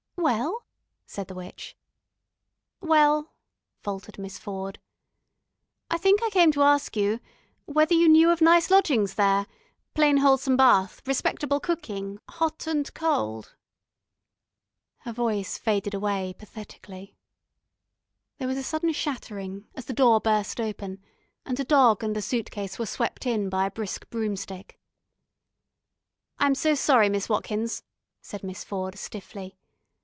"Well?" said the witch. "Well," faltered Miss Ford. "I think I came to ask you ... whether you knew of nice lodgings there ... plain wholesome bath ... respectable cooking, hot and cold ..." Her voice faded away pathetically. There was a sudden shattering, as the door burst open, and a dog and a suit case were swept in by a brisk broomstick. "I am so sorry, Miss Watkins," said Miss Ford stiffly.